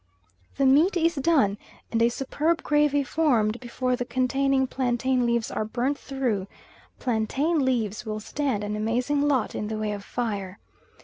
The meat is done, and a superb gravy formed, before the containing plantain leaves are burnt through plantain leaves will stand an amazing lot in the way of fire.